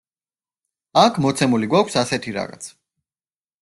აქ, მოცემული გვაქვს ასეთი რაღაც.